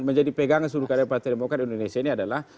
menjadi pegangan seluruh kader partai demokrat indonesia ini adalah